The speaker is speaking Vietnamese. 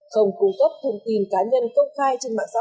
không cung cấp thông tin cá nhân công khai trên mạng xã hội